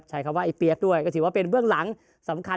ก็ค่อนข้างที่จะถือว่าเป็นงานหนักหน่อย